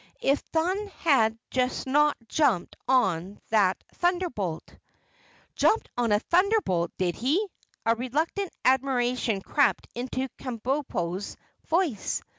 "If Thun had just not jumped on that thunderbolt!" "Jumped on a thunderbolt, did he?" A reluctant admiration crept into Kabumpo's voice.